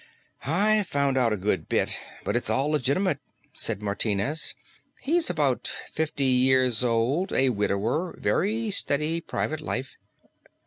"I've found out a good bit, but it's all legitimate," said Martinez. "He's about fifty years old, a widower, very steady private life.